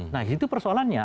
nah itu persoalannya